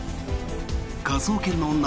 科捜研の女